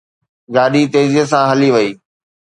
گاڏي تيزيءَ سان هلي وئي.